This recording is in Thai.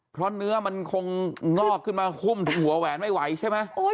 เพราะเนื้อมันคงงอกขึ้นมาหุ้มถึงหัวแหวนไม่ไหวใช่ไหม